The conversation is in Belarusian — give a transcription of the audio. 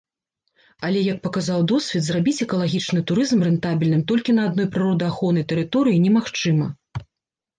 Але, як паказаў досвед, зрабіць экалагічны турызм рэнтабельным толькі на адной прыродаахоўнай тэрыторыі немагчыма.